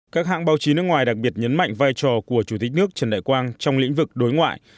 các hãng báo chí nước ngoài đặc biệt nhấn mạnh vai trò của chủ tịch nước trần đại quang trong lĩnh vực đối ngoại